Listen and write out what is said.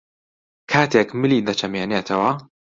کاتێک ملی دەچەمێنێتەوە